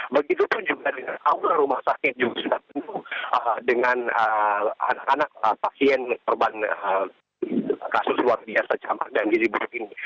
begitupun juga dengan allah rumah sakit juga sudah penuh dengan anak anak pasien korban kasus luar biasa camat dan gizi buruk ini